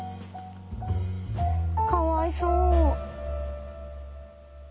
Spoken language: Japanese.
かわいそう。